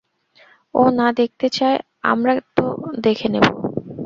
ও না দেখতে চায় আমরা তো দেখে নেব।